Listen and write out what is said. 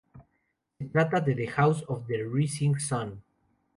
Se trata de "The House of the Rising Sun".